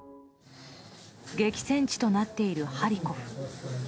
激戦地となっているハリコフ。